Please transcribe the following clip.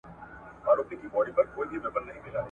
د زمريو په زانګوکي ,